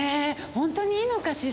ホントにいいのかしら。